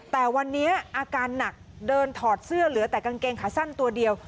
แต่วันนี้อาการหนักเดินถอดเสื้อเหลือแต่กางเกงขาสั้นตัวเดียว